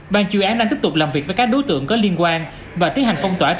ban chuyên án đang tiếp tục làm việc với các đối tượng có liên quan và tiến hành phong tỏa